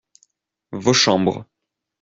Vos chambres.